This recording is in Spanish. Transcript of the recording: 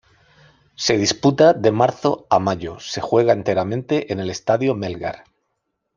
Se disputa de marzo a mayo se juega enteramente en el Estadio Melgar.